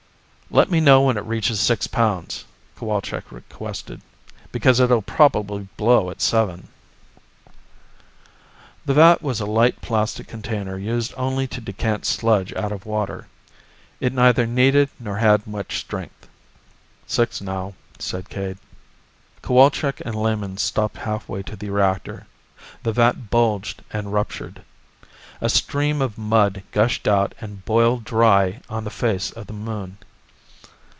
"Let me know when it reaches six pounds," Cowalczk requested. "Because it'll probably blow at seven." The vat was a light plastic container used only to decant sludge out of the water. It neither needed nor had much strength. "Six now," said Cade. Cowalczk and Lehman stopped halfway to the reactor. The vat bulged and ruptured. A stream of mud gushed out and boiled dry on the face of the Moon.